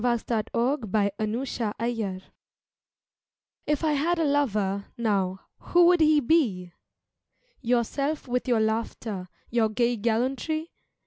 Vigils WORDS TO AN IRISH AIR If I had a lover, now, who would he be? Yourself with your laughter, your gay gallantry?